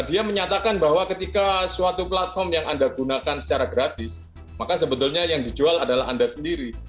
dia menyatakan bahwa ketika suatu platform yang anda gunakan secara gratis maka sebetulnya yang dijual adalah anda sendiri